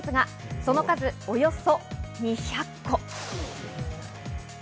その数およそ２００個。